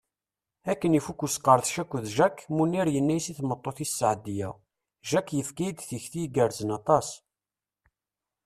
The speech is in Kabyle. Akken ifuk usqerdec akked Jack, Munir yenna i tmeṭṭut-is Seɛdiya: Jack yefka-yi-d tikti igerrzen aṭas.